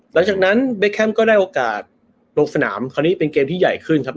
หลังจากนั้นเบแคมก็ได้โอกาสลงสนามคราวนี้เป็นเกมที่ใหญ่ขึ้นครับ